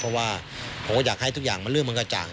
เพราะว่าผมก็อยากให้ทุกอย่างมันเรื่องมันกระจ่าง